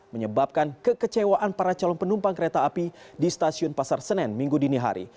menyebabkan kekecewaan para calon penumpang kereta api di stasiun pasar senen minggu dini hari